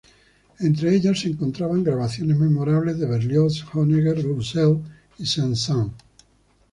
Entre ellas se encontraban grabaciones memorables de Berlioz, Honegger, Roussel y Saint-Saëns.